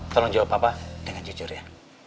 tolong jawab apa dengan jujur ya